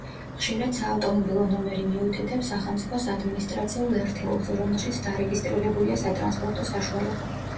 ხშირად საავტომობილო ნომერი მიუთითებს სახელმწიფოს ადმინისტრაციულ ერთეულზე, რომელშიც დარეგისტრირებულია სატრანსპორტო საშუალება.